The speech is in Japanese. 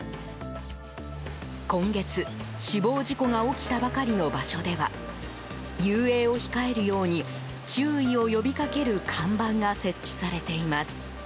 今月、死亡事故が起きたばかりの場所では遊泳を控えるように注意を呼びかける看板が設置されています。